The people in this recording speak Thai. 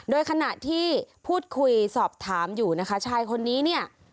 โดยขณะที่พูดคุยสอบถามอยู่นะคะชายคนนี้เนี่ย